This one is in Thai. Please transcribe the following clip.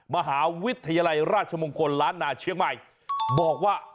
มหาวิทยาลัยราชมงคลล้านนาเชียงใหม่บอกว่า